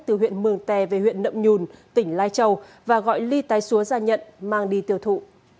từ huyện mường tè về huyện nậm nhùn tỉnh lai châu và gọi ly tái xúa ra nhận mang đi tiêu thụ